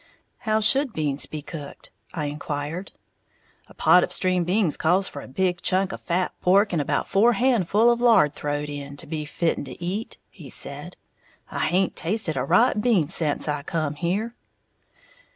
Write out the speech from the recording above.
"How should beans be cooked?" I inquired. "A pot of string beans calls for a big chunk of fat pork and about four handful' of lard throwed in, to be fitten to eat," he said; "I haint tasted a right bean sence I come here."